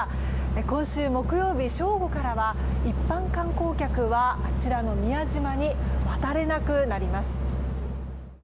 今週木曜日正午からは一般観光客はあちらの宮島に渡れなくなります。